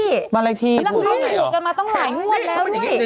พี่แล้วเข้าถูกกันมาต้องหลายงวดแล้วด้วย